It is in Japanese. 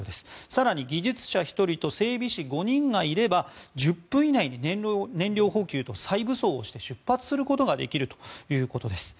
更に、技術者１人と整備士５人がいれば１０分以内に燃料補給と再武装をして出発することができるということです。